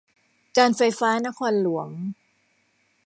การไฟฟ้านครหลวง